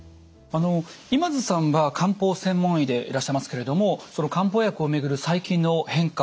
今津さんは漢方専門医でいらっしゃいますけれどもその漢方薬を巡る最近の変化感じてらっしゃいますか？